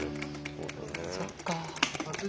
そっか。